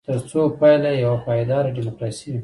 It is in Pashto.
ترڅو پایله یې یوه پایداره ډیموکراسي وي.